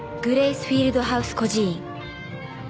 ［グレイス＝フィールドハウス孤児院］